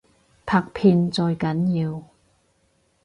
拍片最緊要